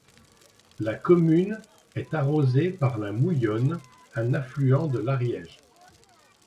La commune est arrosée par la Mouillonne un affluent de l'Ariège.